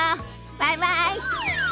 バイバイ！